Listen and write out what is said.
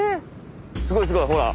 すごいすごいほら！